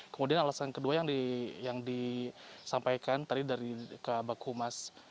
kemudian alasan kedua yang disampaikan tadi dari kebak kumas